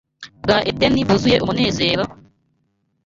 bwa Edeni bwuzuye umunezero,